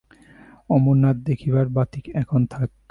অমরনাথ দেখিবার বাতিক এখন থাক।